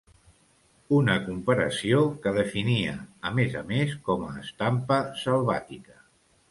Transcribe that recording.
Una comparació que definia, a més a més, com a ‘estampa selvàtica’.